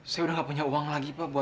saya udah gak punya uang lagi pak